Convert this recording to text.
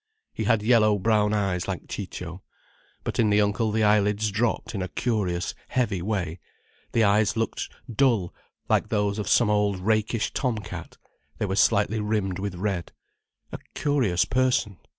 He had yellow brown eyes like Ciccio. But in the uncle the eyelids dropped in a curious, heavy way, the eyes looked dull like those of some old, rakish tom cat, they were slightly rimmed with red. A curious person!